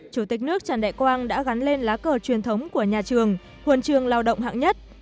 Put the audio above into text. chủ tịch nước trần đại quang đã gắn lên lá cờ truyền thống của nhà trường huân trường lao động hạng nhất